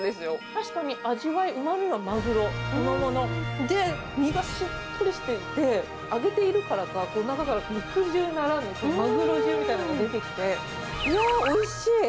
確かに味やうまみはマグロそのもの、で、身がしっとりしていて、揚げているからか、中から肉汁ならぬ、マグロ汁みたいなのが出てきて、いやー、おいしい。